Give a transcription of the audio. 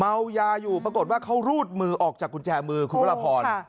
เมายาอยู่ปรากฏว่าเขารูดมือออกจากกุญแจมือคุณพระราพร